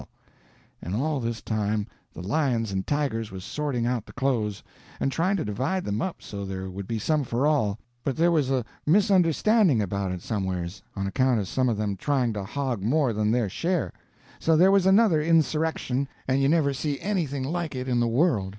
[Illustration: "And all this time the lions and tigers was sorting out the clothes"] And all this time the lions and tigers was sorting out the clothes, and trying to divide them up so there would be some for all, but there was a misunderstanding about it somewheres, on account of some of them trying to hog more than their share; so there was another insurrection, and you never see anything like it in the world.